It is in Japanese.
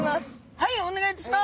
はいお願いいたします。